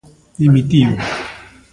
Dimitiu.